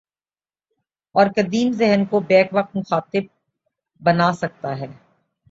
اور قدیم ذہن کو بیک وقت مخاطب بنا سکتا ہے۔